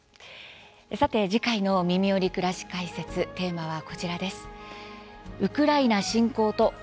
さて次回の「みみより！くらし解説」テーマはこちらです。